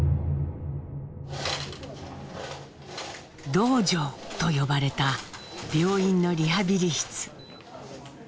「道場」と呼ばれた病院のリハビリ室。